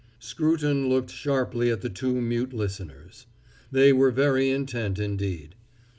Scruton looked sharply at the two mute listeners. They were very intent, indeed.